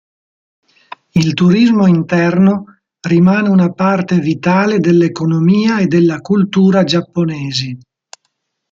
Il turismo interno rimane una parte vitale dell'economia e della cultura giapponesi.